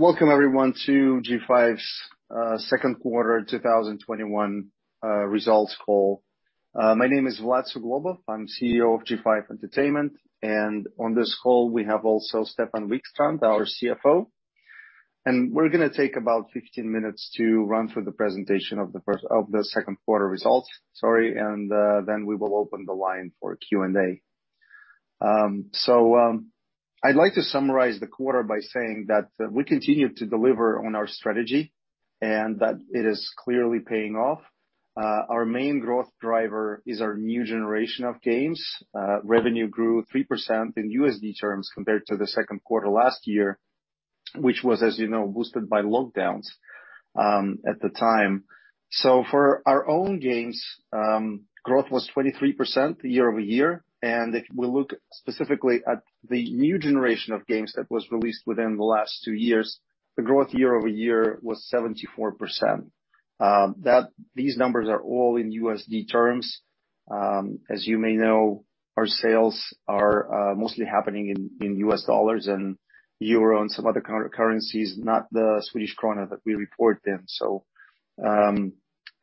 Welcome everyone to G5's second quarter 2021 results call. My name is Vlad Suglobov. I'm CEO of G5 Entertainment, and on this call, we have also Stefan Wikstrand, our CFO. We're going to take about 15 minutes to run through the presentation of the second quarter results, and then we will open the line for Q&A. I'd like to summarize the quarter by saying that we continue to deliver on our strategy, and that it is clearly paying off. Our main growth driver is our new generation of games. Revenue grew 3% in USD terms compared to the second quarter last year, which was, as you know, boosted by lockdowns at the time. For our own games, growth was 23% year-over-year. If we look specifically at the new generation of games that was released within the last two years, the growth year-over-year was 74%. These numbers are all in USD terms. As you may know, our sales are mostly happening in US dollars and EUR and some other currencies, not the SEK that we report in.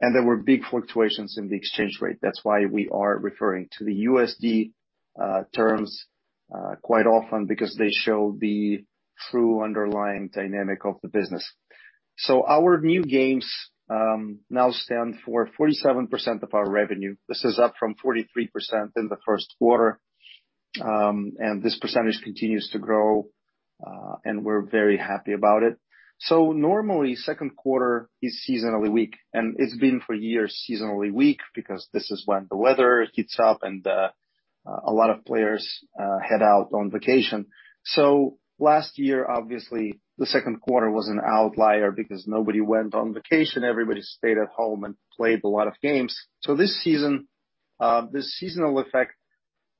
There were big fluctuations in the exchange rate. That's why we are referring to the USD terms quite often because they show the true underlying dynamic of the business. Our new games now stand for 47% of our revenue. This is up from 43% in the first quarter. This percentage continues to grow, and we're very happy about it. Normally, second quarter is seasonally weak, and it's been for years seasonally weak because this is when the weather heats up and a lot of players head out on vacation. Last year, obviously, the second quarter was an outlier because nobody went on vacation. Everybody stayed at home and played a lot of games. This seasonal effect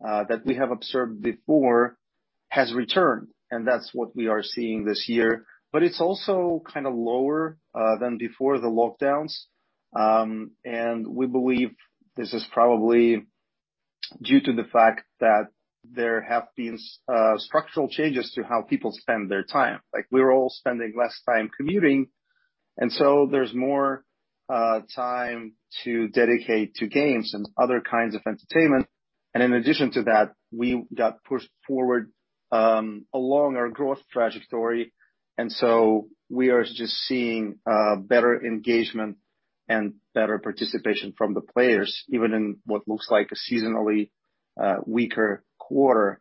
that we have observed before has returned, and that's what we are seeing this year. It's also lower than before the lockdowns. We believe this is probably due to the fact that there have been structural changes to how people spend their time. Like, we're all spending less time commuting, there's more time to dedicate to games and other kinds of entertainment. In addition to that, we got pushed forward along our growth trajectory, we are just seeing better engagement and better participation from the players, even in what looks like a seasonally weaker quarter.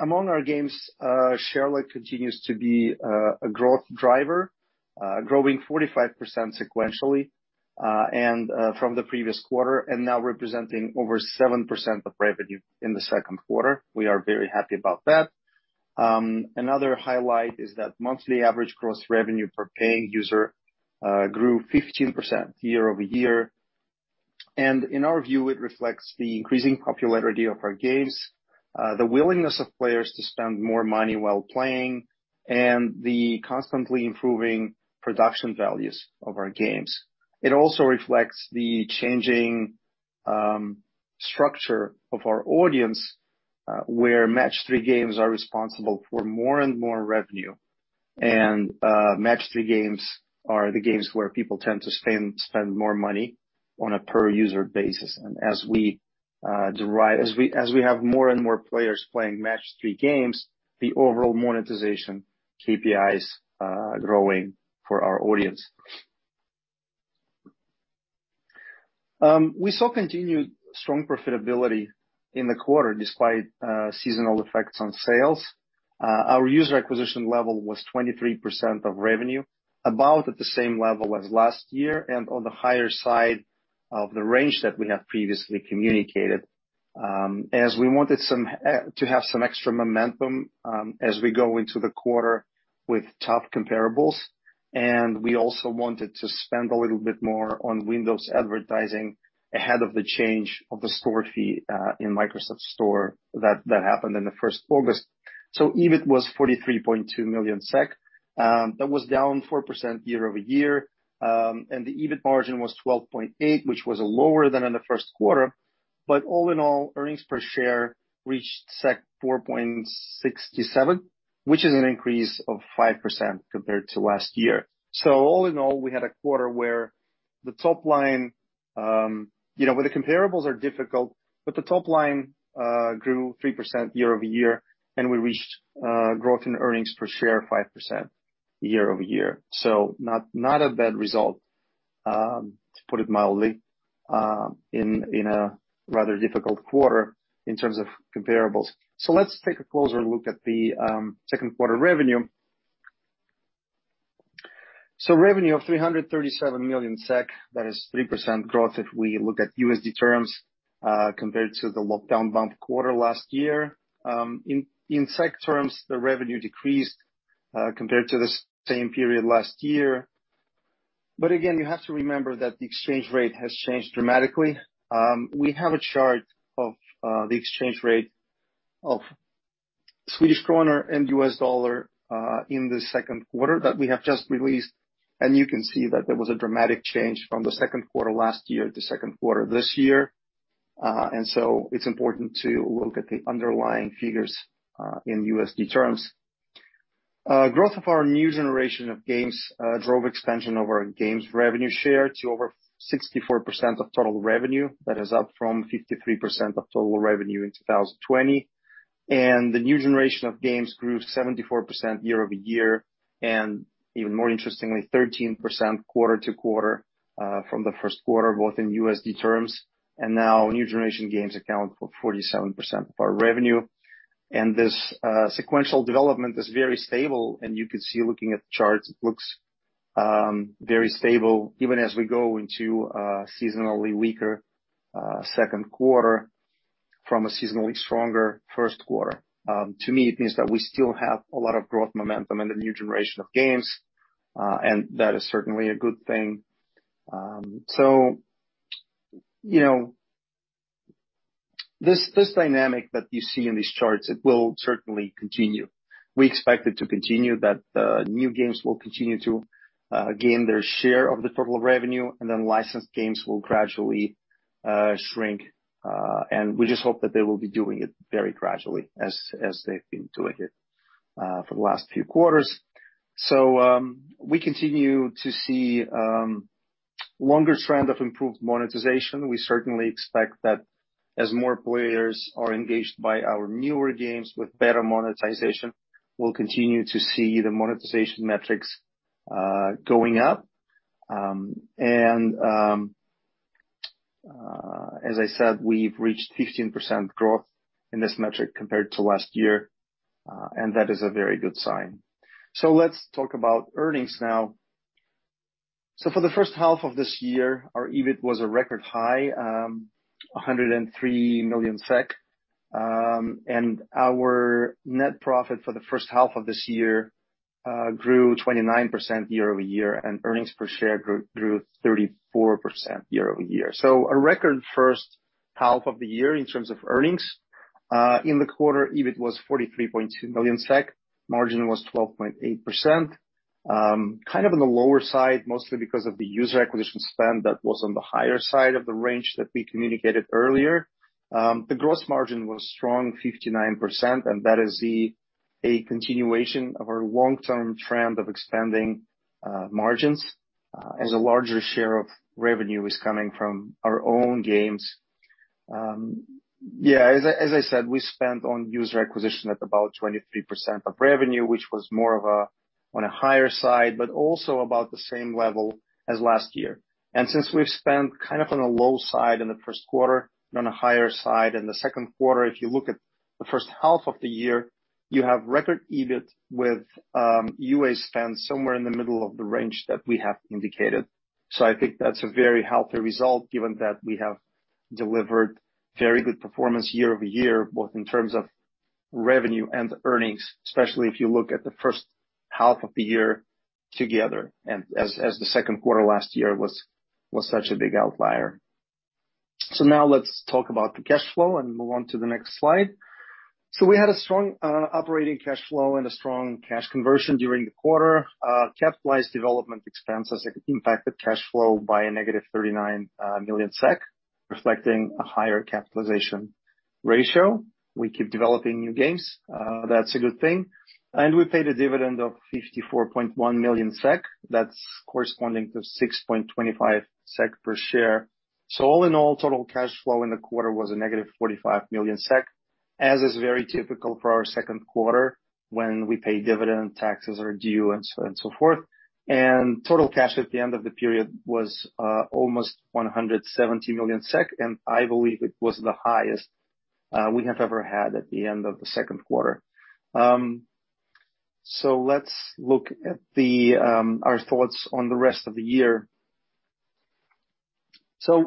Among our games, Sherlock continues to be a growth driver, growing 45% sequentially from the previous quarter and now representing over 7% of revenue in the second quarter. We are very happy about that. Another highlight is that monthly average gross revenue per paying user grew 15% year-over-year. In our view, it reflects the increasing popularity of our games, the willingness of players to spend more money while playing, and the constantly improving production values of our games. It also reflects the changing structure of our audience, where match-three games are responsible for more and more revenue. Match-three games are the games where people tend to spend more money on a per-user basis. As we have more and more players playing match-three games, the overall monetization KPI is growing for our audience. We saw continued strong profitability in the quarter despite seasonal effects on sales. Our user acquisition level was 23% of revenue, about at the same level as last year and on the higher side of the range that we have previously communicated, as we wanted to have some extra momentum as we go into the quarter with tough comparables. We also wanted to spend a little bit more on Windows advertising ahead of the change of the store fee in Microsoft Store that happened in the 1st August. EBIT was 43.2 million SEK. That was down 4% year-over-year. The EBITDA margin was 12.8%, which was lower than in the first quarter. All in all, earnings per share reached 4.67, which is an increase of 5% compared to last year. All in all, we had a quarter where the comparables are difficult, but the top line grew 3% year-over-year, and we reached growth in earnings per share 5% year-over-year. Not a bad result, to put it mildly, in a rather difficult quarter in terms of comparables. Let's take a closer look at the second quarter revenue. Revenue of 337 million SEK, that is 3% growth if we look at USD terms compared to the lockdown bump quarter last year. In SEK terms, the revenue decreased compared to the same period last year. Again, you have to remember that the exchange rate has changed dramatically. We have a chart of the exchange rate of Swedish krona and US dollar in the second quarter that we have just released. You can see that there was a dramatic change from the second quarter last year to the second quarter this year. It's important to look at the underlying figures in USD terms. Growth of our new generation of games drove expansion of our games revenue share to over 64% of total revenue. That is up from 53% of total revenue in 2020. The new generation of games grew 74% year-over-year, and even more interestingly, 13% quarter-to-quarter from the first quarter, both in USD terms. Now new generation games account for 47% of our revenue. This sequential development is very stable, and you could see looking at the charts, it looks very stable even as we go into a seasonally weaker second quarter from a seasonally stronger first quarter. To me, it means that we still have a lot of growth momentum in the new generation of games, and that is certainly a good thing. This dynamic that you see in these charts, it will certainly continue. We expect it to continue, that the new games will continue to gain their share of the total revenue, and then licensed games will gradually shrink. We just hope that they will be doing it very gradually, as they've been doing it for the last few quarters. We continue to see longer trend of improved monetization. We certainly expect that as more players are engaged by our newer games with better monetization, we'll continue to see the monetization metrics going up. As I said, we've reached 15% growth in this metric compared to last year, and that is a very good sign. Let's talk about earnings now. For the first half of this year, our EBIT was a record high, 103 million SEK. Our net profit for the first half of this year grew 29% year-over-year, and earnings per share grew 34% year-over-year. A record first half of the year in terms of earnings. In the quarter, EBIT was 43.2 million SEK. Margin was 12.8%, kind of on the lower side, mostly because of the user acquisition spend that was on the higher side of the range that we communicated earlier. The gross margin was strong 59%. That is a continuation of our long-term trend of expanding margins as a larger share of revenue is coming from our own games. As I said, we spent on user acquisition at about 23% of revenue, which was more on a higher side, but also about the same level as last year. Since we've spent kind of on a low side in the first quarter and on a higher side in the second quarter, if you look at the first half of the year, you have record EBIT with UA spend somewhere in the middle of the range that we have indicated. I think that's a very healthy result given that we have delivered very good performance year-over-year, both in terms of revenue and earnings, especially if you look at the first half of the year together as the second quarter last year was such a big outlier. Now let's talk about the cash flow and move on to the next slide. We had a strong operating cash flow and a strong cash conversion during the quarter. Capitalized development expenses impacted cash flow by a -39 million SEK, reflecting a higher capitalization ratio. We keep developing new games. That's a good thing. We paid a dividend of 54.1 million SEK. That's corresponding to 6.25 SEK per share. All in all, total cash flow in the quarter was a negative 45 million SEK, as is very typical for our second quarter when we pay dividend, taxes are due and so on and so forth. Total cash at the end of the period was almost 170 million SEK, and I believe it was the highest we have ever had at the end of the second quarter. Let's look at our thoughts on the rest of the year.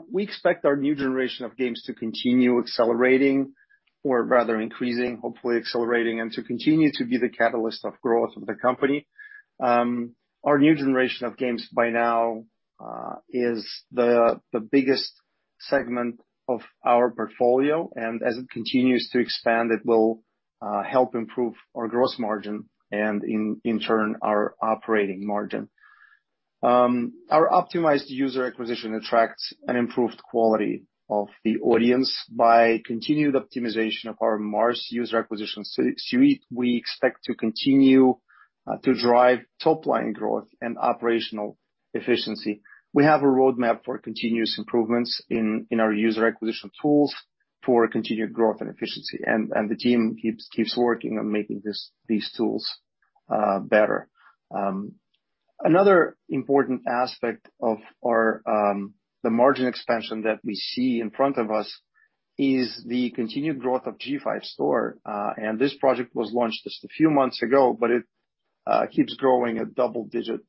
We expect our new generation of games to continue accelerating or rather increasing, hopefully accelerating, and to continue to be the catalyst of growth of the company. Our new generation of games by now is the biggest segment of our portfolio, and as it continues to expand, it will help improve our gross margin and in turn, our operating margin. Our optimized user acquisition attracts an improved quality of the audience. By continued optimization of our MARS user acquisition suite, we expect to continue to drive top-line growth and operational efficiency. We have a roadmap for continuous improvements in our user acquisition tools for continued growth and efficiency, and the team keeps working on making these tools better. Another important aspect of the margin expansion that we see in front of us is the continued growth of G5 Store. This project was launched just a few months ago, but it keeps growing at double-digit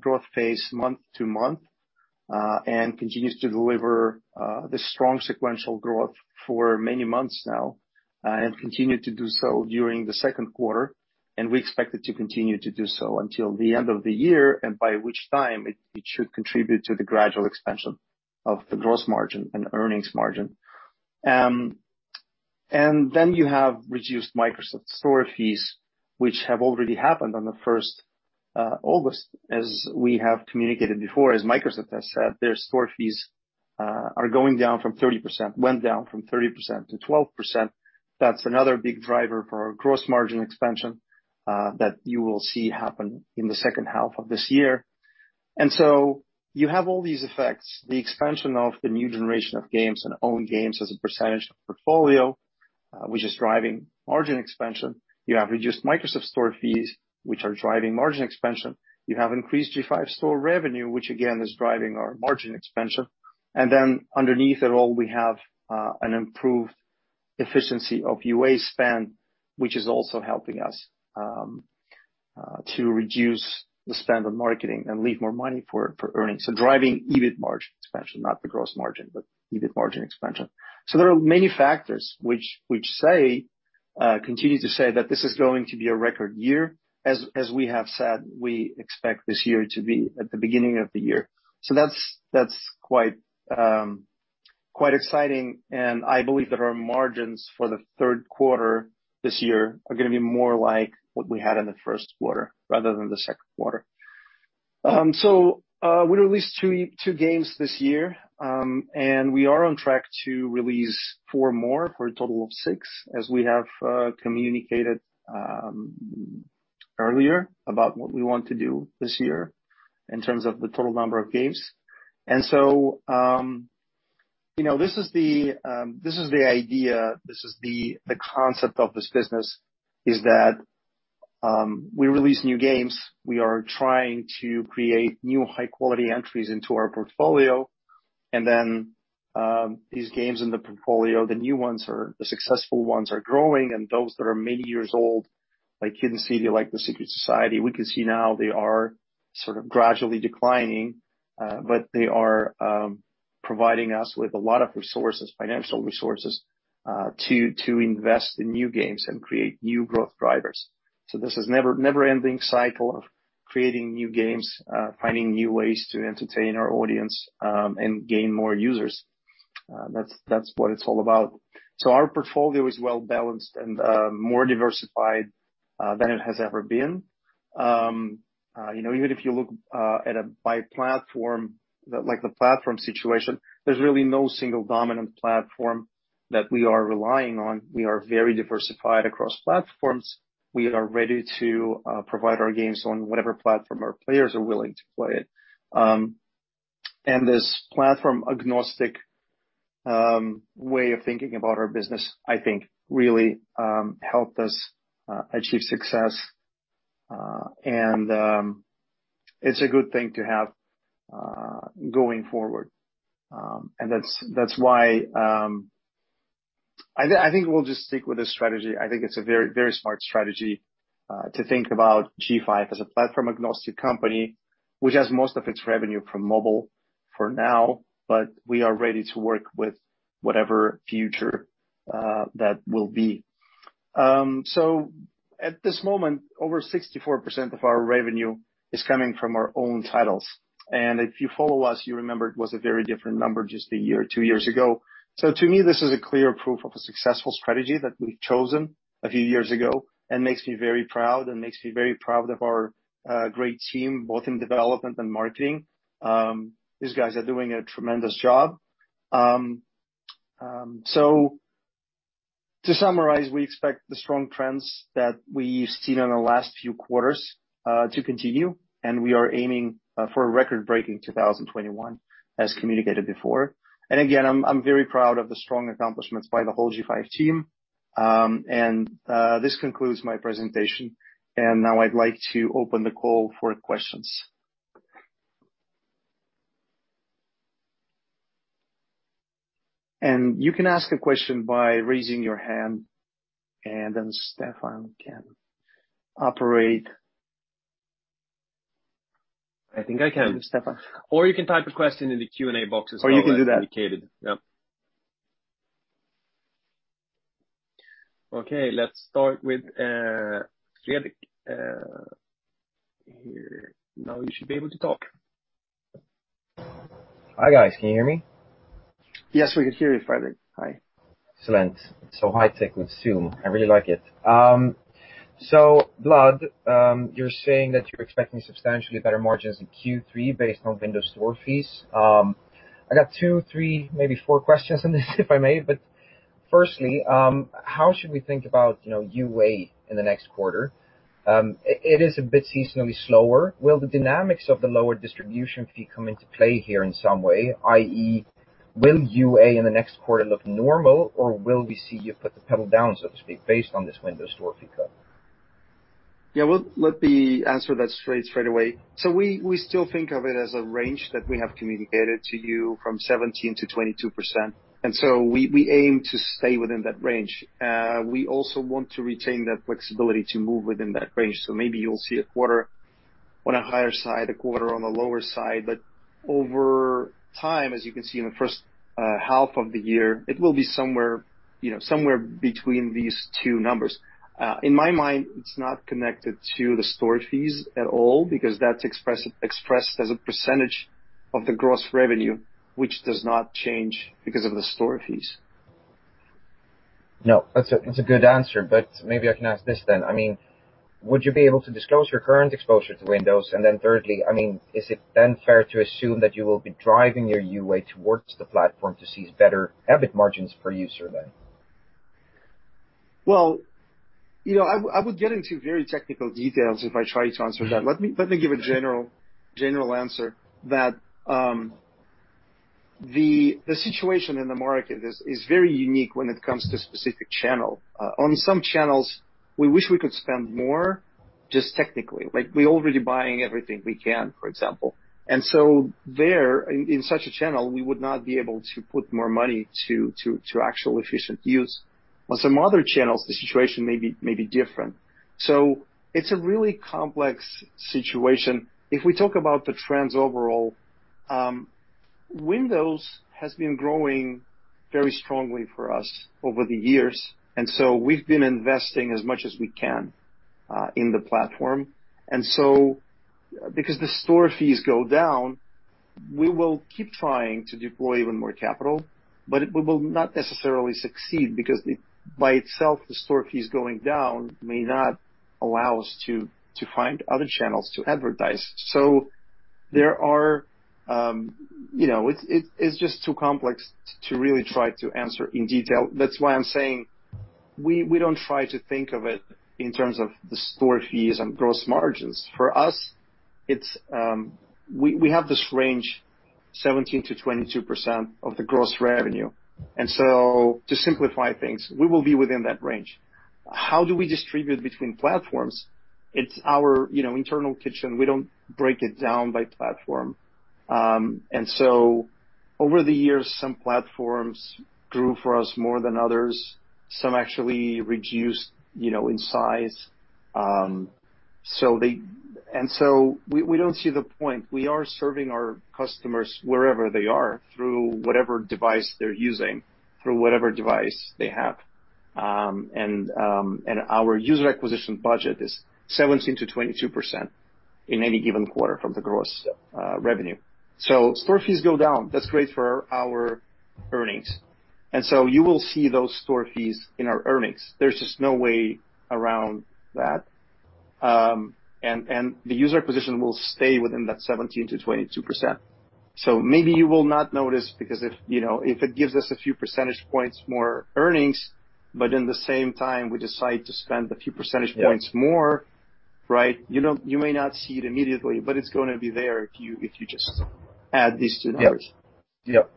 growth pace month-to-month, and continues to deliver this strong sequential growth for many months now and continued to do so during the second quarter. We expect it to continue to do so until the end of the year, and by which time it should contribute to the gradual expansion of the gross margin and earnings margin. You have reduced Microsoft Store fees, which have already happened on the 1st August. As we have communicated before, as Microsoft has said, their store fees went down from 30%-12%. That's another big driver for our gross margin expansion that you will see happen in the second half of this year. You have all these effects, the expansion of the new generation of games and own games as a percentage of portfolio, which is driving margin expansion. You have reduced Microsoft Store fees, which are driving margin expansion. You have increased G5 Store revenue, which again is driving our margin expansion. Underneath it all, we have an improved efficiency of UA spend, which is also helping us to reduce the spend on marketing and leave more money for earnings. Driving EBIT margin expansion, not the gross margin, but EBIT margin expansion. There are many factors which continue to say that this is going to be a record year. As we have said, we expect this year to be at the beginning of the year. That's quite exciting, and I believe that our margins for the third quarter this year are going to be more like what we had in the first quarter rather than the second quarter. We released two games this year, and we are on track to release four more for a total of six, as we have communicated earlier about what we want to do this year in terms of the total number of games. This is the idea, this is the concept of this business, is that we release new games, we are trying to create new high-quality entries into our portfolio. Then these games in the portfolio, the new ones or the successful ones are growing and those that are many years old, like Hidden City, like The Secret Society, we can see now they are sort of gradually declining. They are providing us with a lot of resources, financial resources, to invest in new games and create new growth drivers. This is never-ending cycle of creating new games, finding new ways to entertain our audience, and gain more users. That's what it's all about. Our portfolio is well-balanced and more diversified than it has ever been. Even if you look by platform, like the platform situation, there's really no single dominant platform that we are relying on. We are very diversified across platforms. We are ready to provide our games on whatever platform our players are willing to play it. This platform-agnostic way of thinking about our business, I think, really helped us achieve success. It's a good thing to have going forward. I think we'll just stick with this strategy. I think it's a very smart strategy to think about G5 as a platform-agnostic company, which has most of its revenue from mobile for now, but we are ready to work with whatever future that will be. At this moment, over 64% of our revenue is coming from our own titles. If you follow us, you remember it was a very different number just a year or two years ago. To me, this is a clear proof of a successful strategy that we've chosen a few years ago and makes me very proud, and makes me very proud of our great team, both in development and marketing. These guys are doing a tremendous job. To summarize, we expect the strong trends that we've seen in the last few quarters to continue, and we are aiming for a record-breaking 2021, as communicated before. Again, I'm very proud of the strong accomplishments by the whole G5 team. This concludes my presentation. Now I'd like to open the call for questions. You can ask a question by raising your hand, and then Stefan can operate. I think I can. Stefan. You can type a question in the Q&A box as well, as indicated. You can do that. Yep. Okay, let's start with Fredrik. Here, now you should be able to talk. Hi, guys. Can you hear me? Yes, we can hear you, Fredrik. Hi. Excellent. It's so high tech with Zoom. I really like it. Vlad, you're saying that you're expecting substantially better margins in Q3 based on Microsoft Store fees. I got two, three, maybe four questions on this, if I may. Firstly, how should we think about UA in the next quarter? It is a bit seasonally slower. Will the dynamics of the lower distribution fee come into play here in some way? i.e., will UA in the next quarter look normal, or will we see you put the pedal down, so to speak, based on this Microsoft Store fee cut? Yeah. Let me answer that straight away. We still think of it as a range that we have communicated to you from 17% to 22%. We aim to stay within that range. We also want to retain that flexibility to move within that range. Maybe you'll see a quarter on a higher side, a quarter on a lower side, but over time, as you can see in the first half of the year, it will be somewhere between these two numbers. In my mind, it's not connected to the store fees at all because that's expressed as a percentage of the gross revenue, which does not change because of the store fees. That's a good answer, but maybe I can ask this then. Would you be able to disclose your current exposure to Windows? Thirdly, is it then fair to assume that you will be driving your UA towards the platform to see better EBIT margins per user then? Well, I would get into very technical details if I try to answer that. Let me give a general answer that the situation in the market is very unique when it comes to specific channel. On some channels, we wish we could spend more just technically. Like we're already buying everything we can, for example. There, in such a channel, we would not be able to put more money to actual efficient use. On some other channels, the situation may be different. It's a really complex situation. If we talk about the trends overall, Windows has been growing very strongly for us over the years, and so we've been investing as much as we can in the platform. Because the store fees go down, we will keep trying to deploy even more capital, but we will not necessarily succeed because by itself, the store fees going down may not allow us to find other channels to advertise. It's just too complex to really try to answer in detail. That's why I'm saying we don't try to think of it in terms of the store fees and gross margins. For us, we have this range, 17%-22% of the gross revenue. To simplify things, we will be within that range. How do we distribute between platforms? It's our internal kitchen. We don't break it down by platform. Over the years, some platforms grew for us more than others. Some actually reduced in size. We don't see the point. We are serving our customers wherever they are, through whatever device they're using, through whatever device they have. Our user acquisition budget is 17%-22% in any given quarter from the gross revenue. Store fees go down. That's great for our earnings. You will see those store fees in our earnings. There's just no way around that. The user acquisition will stay within that 17%-22%. Maybe you will not notice because if it gives us a few percentage points more earnings, but in the same time we decide to spend a few percentage points more, you may not see it immediately, but it's going to be there if you just add these two numbers. Yep.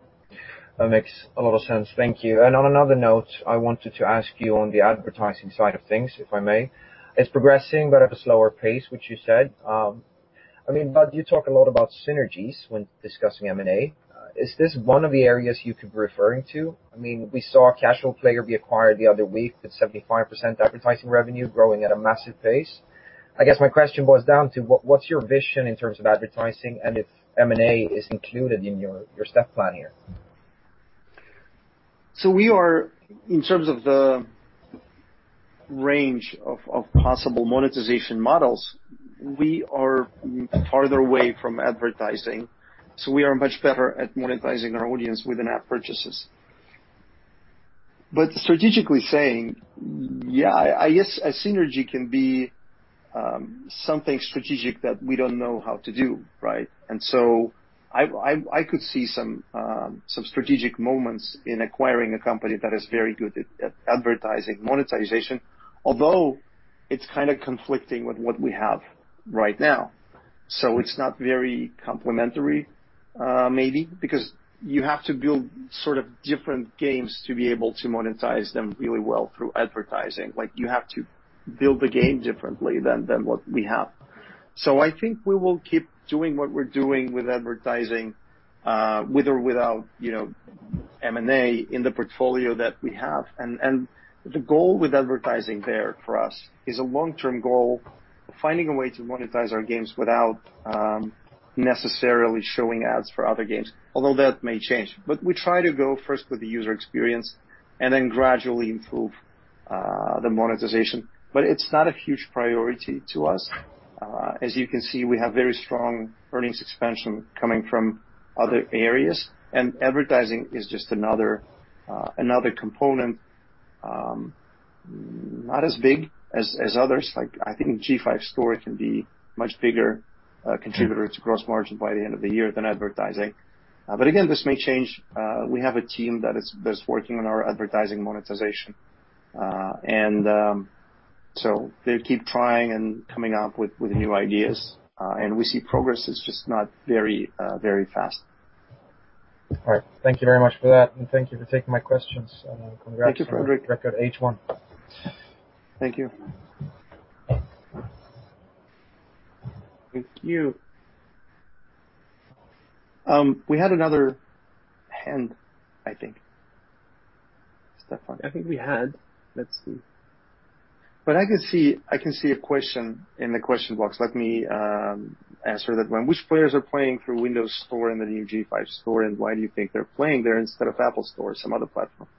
That makes a lot of sense. Thank you. On another note, I wanted to ask you on the advertising side of things, if I may. It's progressing, but at a slower pace, which you said. You talk a lot about synergies when discussing M&A. Is this one of the areas you could be referring to? We saw a casual player be acquired the other week with 75% advertising revenue growing at a massive pace. I guess my question boils down to, what's your vision in terms of advertising and if M&A is included in your step plan here? We are, in terms of the range of possible monetization models, we are farther away from advertising, so we are much better at monetizing our audience with in-app purchases. Strategically saying, yeah, I guess a synergy can be something strategic that we don't know how to do. I could see some strategic moments in acquiring a company that is very good at advertising monetization, although it's conflicting with what we have right now. It's not very complementary, maybe, because you have to build different games to be able to monetize them really well through advertising. You have to build the game differently than what we have. I think we will keep doing what we're doing with advertising, with or without M&A in the portfolio that we have. The goal with advertising there for us is a long-term goal, finding a way to monetize our games without necessarily showing ads for other games, although that may change. We try to go first with the user experience and then gradually improve the monetization. It's not a huge priority to us. As you can see, we have very strong earnings expansion coming from other areas, and advertising is just another component, not as big as others. I think G5 Store can be much bigger contributor to gross margin by the end of the year than advertising. Again, this may change. We have a team that's working on our advertising monetization. So they keep trying and coming up with new ideas. We see progress, it's just not very fast. All right. Thank you very much for that, and thank you for taking my questions. Thank you, Fredrik. Congrats on a great record H1. Thank you. Thank you. We had another hand, I think. Stefan. I think we had. Let's see. I can see a question in the question box. Let me answer that one. Which players are playing through Windows Store and the new G5 Store, and why do you think they're playing there instead of App Store or some other platform?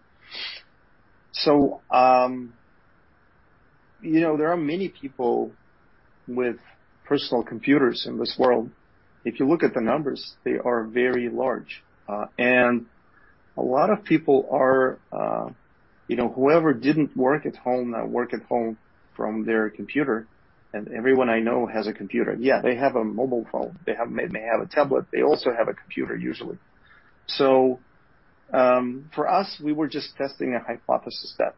There are many people with personal computers in this world. If you look at the numbers, they are very large. A lot of people are, whoever didn't work at home, now work at home from their computer, and everyone I know has a computer. Yeah, they have a mobile phone. They may have a tablet. They also have a computer, usually. For us, we were just testing a hypothesis that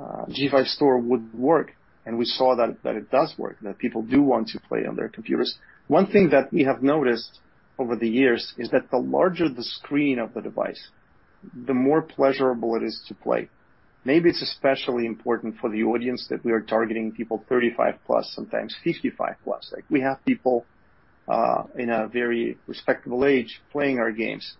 G5 Store would work, and we saw that it does work, that people do want to play on their computers. One thing that we have noticed over the years is that the larger the screen of the device, the more pleasurable it is to play. Maybe it's especially important for the audience that we are targeting, people 35+, sometimes 55+. We have people in a very respectable age playing our games.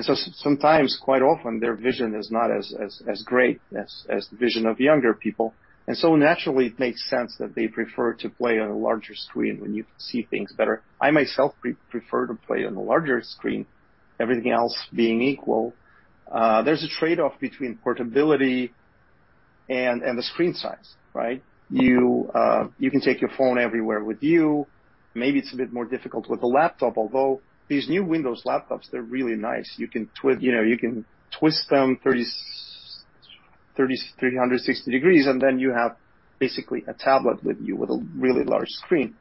Sometimes quite often, their vision is not as great as the vision of younger people. Naturally it makes sense that they prefer to play on a larger screen when you can see things better. I myself prefer to play on a larger screen, everything else being equal. There's a trade-off between portability and the screen size, right? You can take your phone everywhere with you. Maybe it's a bit more difficult with a laptop, although these new Windows laptops, they're really nice. You can twist them 360 degrees, and then you have basically a tablet with you with a really large screen.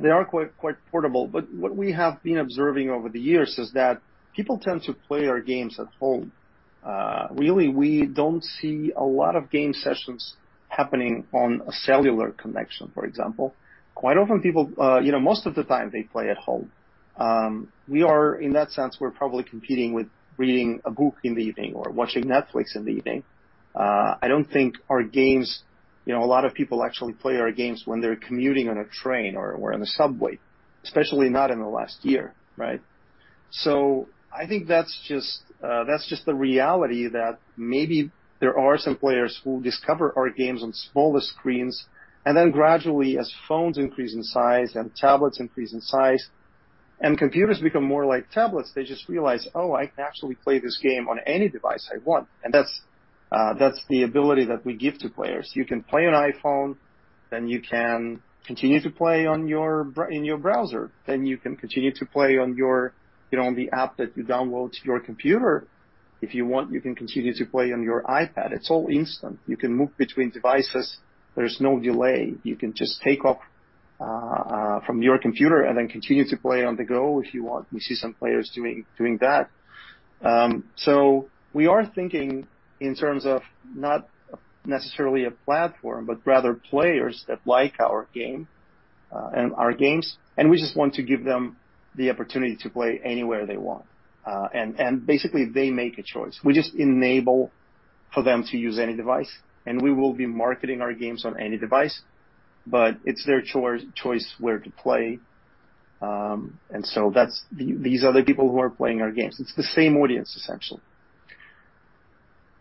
They are quite portable, but what we have been observing over the years is that people tend to play our games at home. Really, we don't see a lot of game sessions happening on a cellular connection, for example. Quite often people, most of the time they play at home. We are, in that sense, we're probably competing with reading a book in the evening or watching Netflix in the evening. I don't think our games, a lot of people actually play our games when they're commuting on a train or on the subway, especially not in the last year, right? I think that's just the reality that maybe there are some players who discover our games on smaller screens, and then gradually as phones increase in size and tablets increase in size and computers become more like tablets, they just realize, oh, I can actually play this game on any device I want. That's the ability that we give to players. You can play on iPhone, then you can continue to play in your browser, then you can continue to play on the app that you download to your computer. If you want, you can continue to play on your iPad. It's all instant. You can move between devices. There's no delay. You can just take off from your computer and then continue to play on the go if you want. We see some players doing that. We are thinking in terms of not necessarily a platform, but rather players that like our game and our games, and we just want to give them the opportunity to play anywhere they want. Basically, they make a choice. We just enable for them to use any device, and we will be marketing our games on any device, but it's their choice where to play. These are the people who are playing our games. It's the same audience, essentially.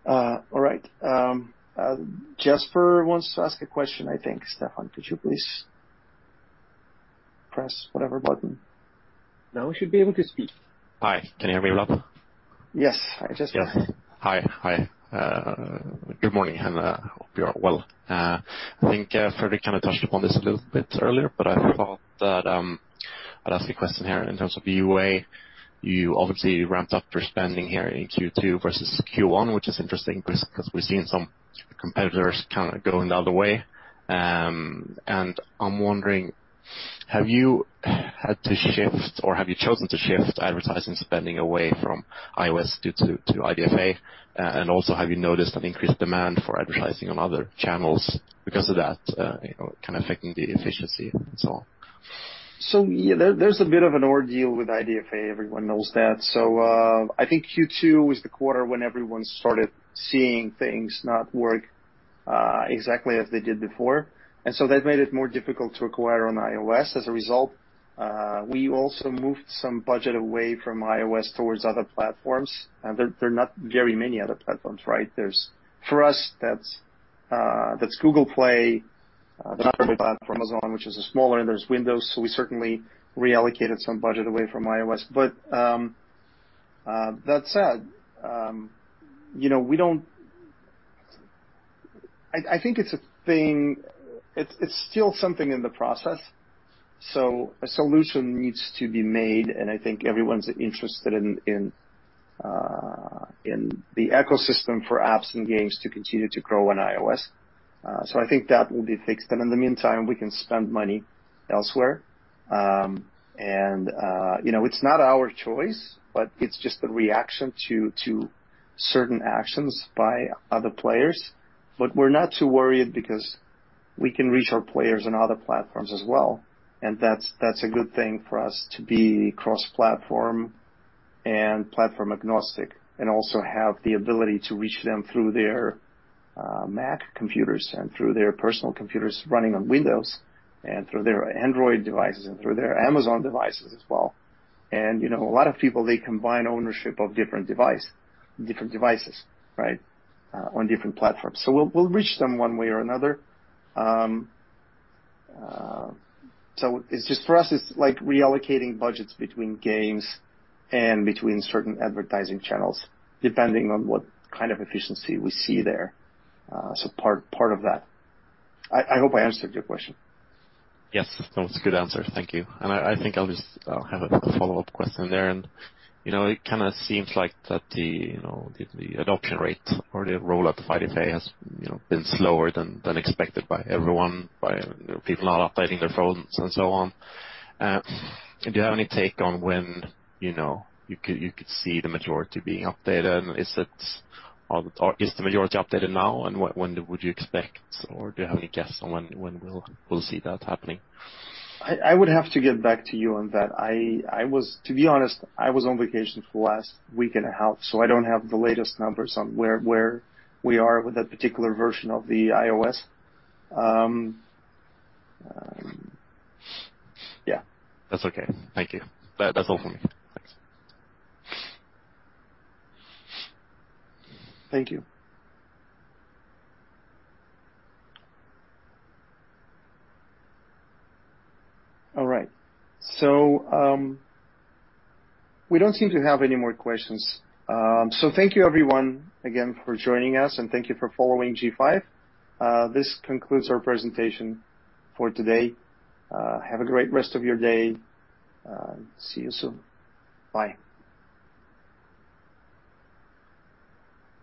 All right. Jesper wants to ask a question, I think. Stefan, could you please press whatever button? Now he should be able to speak. Hi. Can you hear me well? Yes. Yes. Hi. Good morning. I hope you are well. I think Fredrik kind of touched upon this a little bit earlier, but I thought that I'd ask a question here in terms of UA. You obviously ramped up your spending here in Q2 versus Q1, which is interesting because we've seen some competitors kind of going the other way. I'm wondering, have you had to shift or have you chosen to shift advertising spending away from iOS due to IDFA? Also, have you noticed an increased demand for advertising on other channels because of that, kind of affecting the efficiency and so on? Yeah, there's a bit of an ordeal with IDFA. Everyone knows that. I think Q2 was the quarter when everyone started seeing things not work exactly as they did before, and so that made it more difficult to acquire on iOS as a result. We also moved some budget away from iOS towards other platforms, and there not very many other platforms, right? For us, that's Google Play, Amazon, which is a smaller, and there's Windows, so we certainly reallocated some budget away from iOS. That said, I think it's still something in the process, so a solution needs to be made, and I think everyone's interested in the ecosystem for apps and games to continue to grow on iOS. I think that will be fixed, but in the meantime, we can spend money elsewhere. It's not our choice, but it's just a reaction to certain actions by other players. We're not too worried because we can reach our players on other platforms as well, and that's a good thing for us to be cross-platform and platform-agnostic and also have the ability to reach them through their Mac computers and through their personal computers running on Windows and through their Android devices and through their Amazon devices as well. A lot of people, they combine ownership of different devices, right, on different platforms. We'll reach them one way or another. It's just for us, it's like reallocating budgets between games and between certain advertising channels, depending on what kind of efficiency we see there. Part of that. I hope I answered your question. Yes, that was a good answer. Thank you. I think I'll just have a follow-up question there, and it kind of seems like that the adoption rate or the roll-out of IDFA has been slower than expected by everyone, by people not updating their phones and so on. Do you have any take on when you could see the majority being updated, and is the majority updated now, and when would you expect, or do you have any guess on when we'll see that happening? I would have to get back to you on that. To be honest, I was on vacation for the last week and a half, so I don't have the latest numbers on where we are with that particular version of the iOS. Yeah. That's okay. Thank you. That's all for me. Thanks. Thank you. All right. We don't seem to have any more questions. Thank you everyone again for joining us, and thank you for following G5. This concludes our presentation for today. Have a great rest of your day. See you soon. Bye.